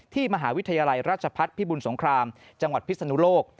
มหาวิทยาลัยราชพัฒน์พิบุญสงครามจังหวัดพิศนุโลก